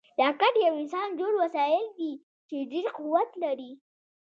راکټ یو انسانجوړ وسایل دي چې ډېر قوت لري